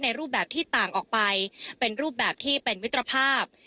รูปแบบที่ต่างออกไปเป็นรูปแบบที่เป็นมิตรภาพ